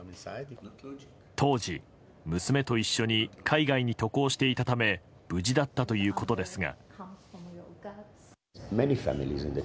当時、娘と一緒に海外に渡航していたため無事だったということですが。